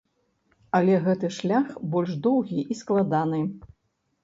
Але гэты шлях больш доўгі і складаны.